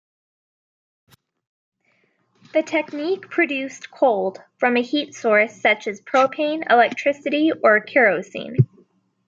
The technique produced "cold" from a heat source such as propane, electricity, or kerosene.